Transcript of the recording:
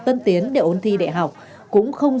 tân tiến để ôn thi đại học cũng không